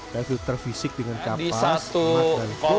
dari filter fisik dengan kapas mat dan